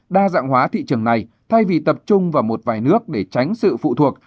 đa dạng hóa thị trường này thay vì tập trung vào một vài nước để tránh sự phụ thuộc